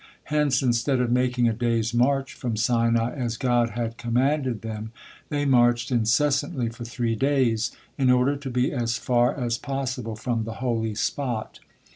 Hence, instead of making a day's march from Sinai, as God had commanded them, they marched incessantly for three days, in order to be as far as possible from the holy spot.